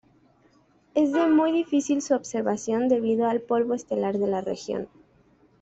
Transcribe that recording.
Es de muy difícil su observación debido al polvo estelar de la región.